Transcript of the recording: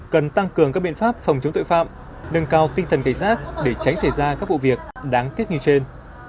cần tăng cường các biện pháp phòng chống tội phạm nâng cao tinh thần cảnh sát để tránh xảy ra các vụ việc đáng tiếc như trên